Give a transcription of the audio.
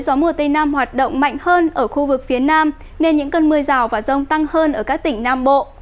gió mùa tây nam hoạt động mạnh hơn ở khu vực phía nam nên những cơn mưa rào và rông tăng hơn ở các tỉnh nam bộ